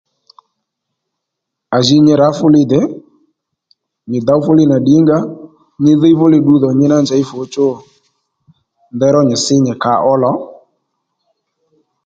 À ji nyi rǎ fúli dè nyì dǒw fúli nà ddǐngǎ nyi dhíy fúli ddudhò nyi ná njěy fǔchú ndeyró nyì sí nyì kǎ lò